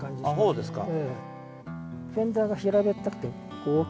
そうですか。